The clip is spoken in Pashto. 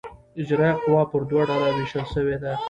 اجرائیه قوه پر دوه ډوله وېشل سوې ده.